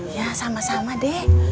iya sama sama deh